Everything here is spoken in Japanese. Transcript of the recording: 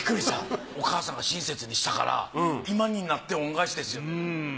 お母さんが親切にしたから今になって恩返しですよ。